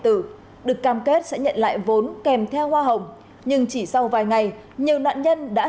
tử được cam kết sẽ nhận lại vốn kèm theo hoa hồng nhưng chỉ sau vài ngày nhiều nạn nhân đã